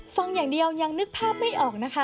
ฟังอย่างเดียวยังนึกภาพไม่ออกนะคะ